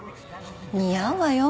似合うわよ。